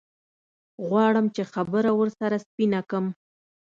غواړم چې خبره ورسره سپينه کم.